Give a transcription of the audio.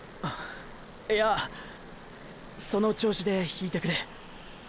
⁉いやその調子で引いてくれ。